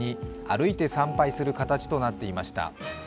歩いて参拝する形となっていました。